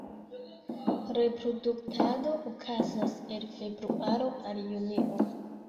Reproduktado okazas el februaro al junio.